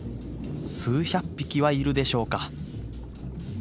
数百匹はいるでしょうか。